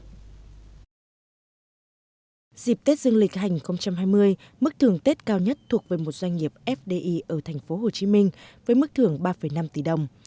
dịp tết dương lịch hành hai mươi mức thưởng tết cao nhất thuộc về một doanh nghiệp fdi ở thành phố hồ chí minh với mức thưởng ba năm tỷ đồng